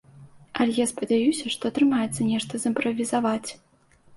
Але я спадзяюся, што атрымаецца нешта зымправізаваць.